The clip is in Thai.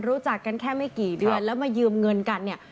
รู้จักกันแค่ไม่กี่เดือนแล้วมายืมเงินกันเนี่ย